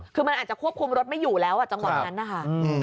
คือมันอาจจะควบคุมรถไม่อยู่แล้วจังหวะนั้นนะคะ